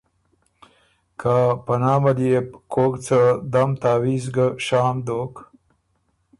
که په نامه ليې بو کوک څه دم تعویز ګه شام دوک